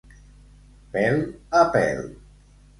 Pèl a pèl.